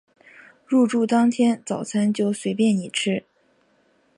入住当天早餐就随便你吃